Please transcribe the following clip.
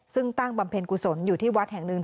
ซึ่งตั้งบำเพ็ญกุศลอยู่ที่วัดแห่งหนึ่ง